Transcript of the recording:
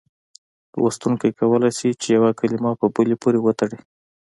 لوستونکی کولای شي چې یوه کلمه په بلې پورې وتړي.